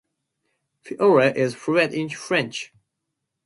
Feore is fluent in French.